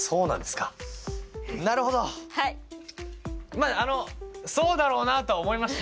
まああのそうだろうなとは思いましたよ。